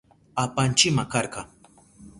Apanchima karka.